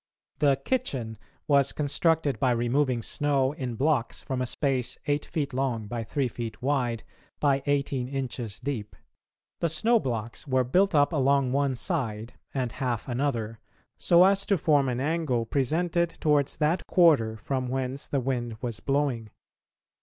The "kitchen" was constructed by removing snow in blocks from a space eight feet long by three feet wide by eighteen inches deep. The snow blocks were built up along one side and half another, so as to form an angle presented towards that quarter from whence the wind was blowing.